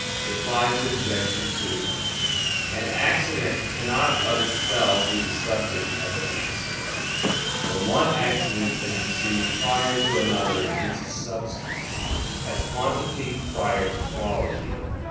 Reply Obj. 2: An accident cannot of itself be the subject of an accident; but one accident is received prior to another into substance, as quantity prior to quality.